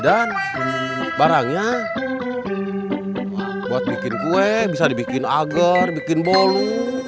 dan barangnya buat bikin kue bisa dibikin agar bikin bolu